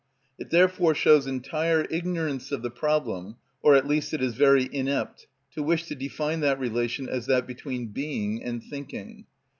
It therefore shows entire ignorance of the problem, or at least it is very inept, to wish to define that relation as that between being and thinking.